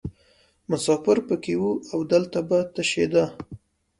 مسافر پکې وو او دلته به تشیده.